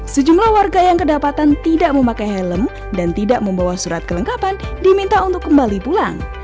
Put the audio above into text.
sejumlah warga yang kedapatan tidak memakai helm dan tidak membawa surat kelengkapan diminta untuk kembali pulang